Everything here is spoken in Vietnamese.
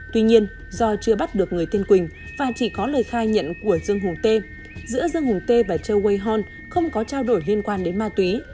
tuy nhiên do chưa bắt được người tiên quỳnh và chỉ có lời khai nhận của dương hùng tê giữa dương hùng tê và châu way hon không có trao đổi liên quan đến ma túy